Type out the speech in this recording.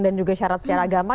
dan juga syarat secara agama